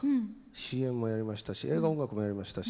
ＣＭもやりましたし映画音楽もやりましたし。